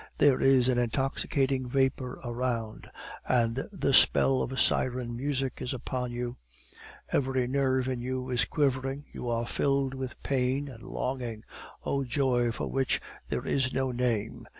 There is an intoxicating vapor around, and the spell of a siren music is upon you. Every nerve in you is quivering; you are filled with pain and longing. O joy for which there is no name!